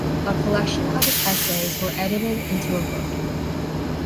A collection of his essays were edited into a book.